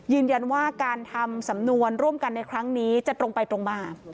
ยืนยันว่าการทำสำนวนร่วมกันในครั้งนี้จะตรงไปตรงมา